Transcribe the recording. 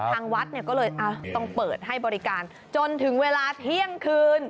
ทางวัดเนี่ยก็เลยต้องเปิดให้บริการจนถึงเวลาเที่ยงคืน